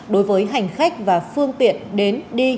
đối với hành khách và phương tiện đến đi